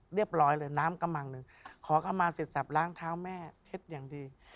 เรียบร้อยเลยน้ำกระมังหนึ่งขอเข้ามาเสร็จสับล้างเท้าแม่เช็ดอย่างดี